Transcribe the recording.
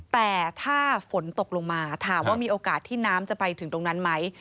แต่ถ้าฝนตกลงมาถามว่ามีโอกาสที่น้ำจะไปถึงตรงนั้นไหม